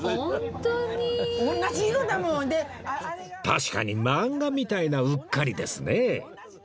確かに漫画みたいなうっかりですね